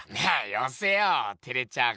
よせよてれちゃうから。